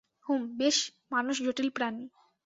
হুম, বেশ, মানুষ জটিল প্রাণী।